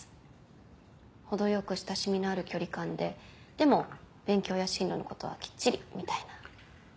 程よく親しみのある距離感ででも勉強や進路のことはきっちりみたいな。